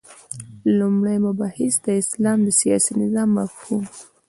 لومړی مبحث : د اسلام د سیاسی نظام مفهوم